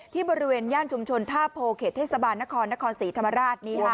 ที่บริเวณย่านชุมชนท่าโพเขตเทศบาลนครนครศรีธรรมราช